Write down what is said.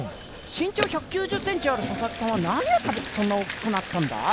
身長１９０ｃｍある佐々木さんは何を食べてそんな大きくなったんだ？